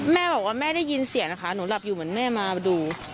แม่บอกว่าแม่ได้ยินเสียงนะคะหนูหลับอยู่เหมือนแม่มาดู